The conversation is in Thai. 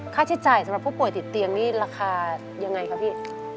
ค่าใช้จ่ายสำหรับผู้ป่วยติดเตียงนี่ราคายังไงครับพี่